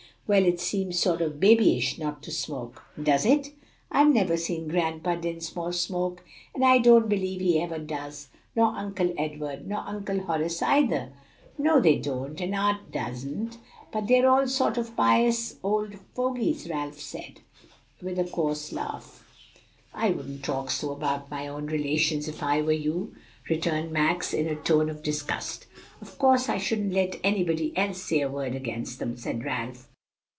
"Well, it seems sort o' babyish not to smoke." "Does it? I've never seen Grandpa Dinsmore smoke, and I don't believe he ever does, nor Uncle Edward, nor Uncle Horace either." "No, they don't, and Art doesn't, but they're all sort o' pious old fogies," Ralph said, with a coarse laugh. "I wouldn't talk so about my own relations, if I were you," returned Max, in a tone of disgust. "Of course I shouldn't let anybody else say a word against them," said Ralph.